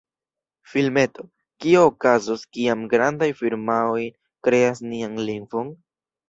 Filmeto: 'Kio okazos kiam grandaj firmaoj kreas nian lingvon?